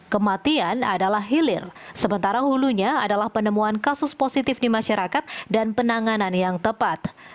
kematian adalah hilir sementara hulunya adalah penemuan kasus positif di masyarakat dan penanganan yang tepat